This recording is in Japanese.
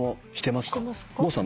郷さん